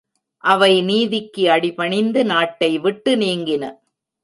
அவை நீதிக்கு அடிபணிந்து நாட்டை விட்டு நீங்கின.